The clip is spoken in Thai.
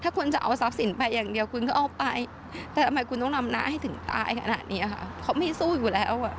ถ้าคุณจะเอาทรัพย์สินไปอย่างเดียวคุณก็เอาไปแต่ทำไมคุณต้องนำน้าให้ถึงตายขนาดนี้ค่ะเขาไม่สู้อยู่แล้ว